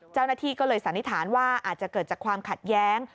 เจ้าหน้าที่ก็เลยสันนิษฐานว่าอาจจะเกิดจากความขัดแย้ง